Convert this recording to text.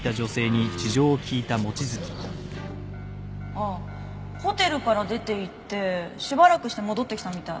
ああホテルから出て行ってしばらくして戻ってきたみたい。